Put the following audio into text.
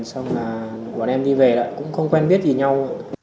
xong là bọn em đi về lại cũng không quen biết gì nhau